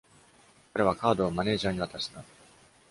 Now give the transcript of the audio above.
彼はカードをマネージャーに渡した。